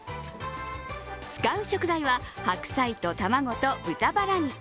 使う食材は白菜と卵と豚バラ肉。